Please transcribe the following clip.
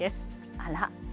あら。